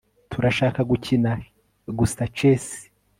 turashaka gukina gusa chess